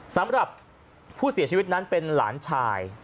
สำหรับผู้เสียชีวิตนั้นเป็นหลานชาย